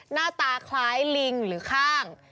หน้าตาคล้ายลิงหรือข้าง